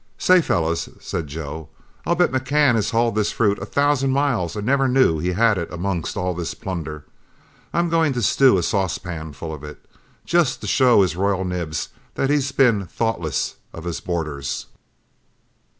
"Say, fellows," said Joe, "I'll bet McCann has hauled this fruit a thousand miles and never knew he had it amongst all this plunder. I'm going to stew a saucepan full of it, just to show his royal nibs that he's been thoughtless of his boarders."